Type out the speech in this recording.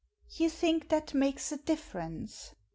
You think that makes a difference